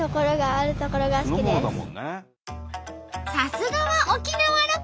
さすがは沖縄ロコ！